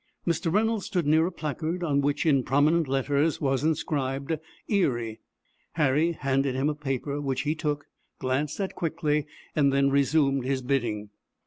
Mr. Reynolds stood near a placard on which, in prominent letters, was inscribed "Erie." Harry handed him a paper, which he took, glanced at quickly, and then resumed his bidding.